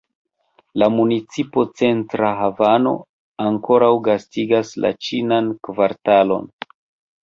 La municipo Centra havano ankaŭ gastigas la Ĉinan kvartalon.